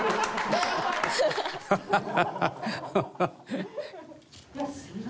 ハハハハ！